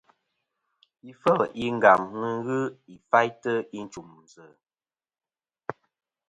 Ifel i Ngam nɨn ghɨ ifaytɨ i nchùmsɨ.